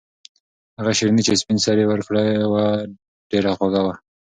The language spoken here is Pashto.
هغه شیرني چې سپین سرې ورکړه ډېره خوږه وه.